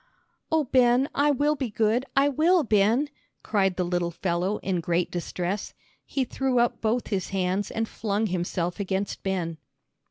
"Oh, Ben, I will be good, I will, Ben," cried the little fellow, in great distress. He threw up both his hands and flung himself against Ben.